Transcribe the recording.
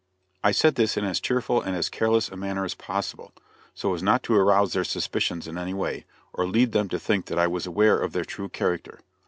I said this in as cheerful and as careless a manner as possible, so as not to arouse their suspicions in any way, or lead them to think that I was aware of their true character.